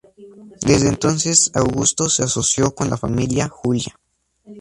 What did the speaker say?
Desde entonces, Augusto se asoció con la familia Julia.